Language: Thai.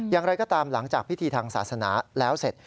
อย่างไรก็ตามหลังจากพิธีทางศาสนาแล้วเสร็จ